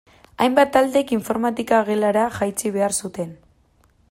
Hainbat taldek informatika gelara jaitsi behar zuten.